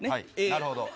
なるほど。